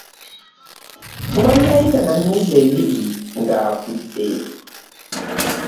Tewannayita na myezi ebiri ng'afudde.